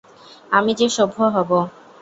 আমি যে সভ্য হব।